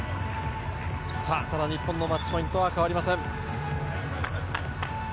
ただ日本のマッチポイントは変わりません。